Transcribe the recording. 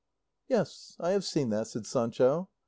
"Yes, I have seen that," said Sancho.